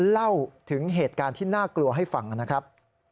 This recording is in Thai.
เล่าถึงเหตุการณ์ที่น่ากลัวให้ฟังนะครับ